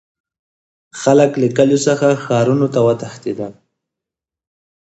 خلک له کلیو څخه ښارونو ته وتښتیدل.